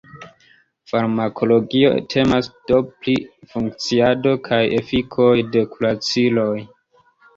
Farmakologio temas do pri funkciado kaj efikoj de kuraciloj.